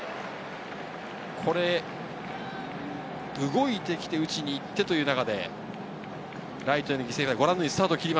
動いてきて、打ちにいってという中で、ライトへの犠牲フライ。